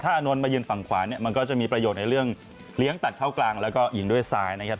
อานนท์มายืนฝั่งขวาเนี่ยมันก็จะมีประโยชน์ในเรื่องเลี้ยงตัดเข้ากลางแล้วก็ยิงด้วยซ้ายนะครับ